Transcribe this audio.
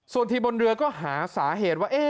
ส่วนที่บนเรือก็หาสาเหตุว่า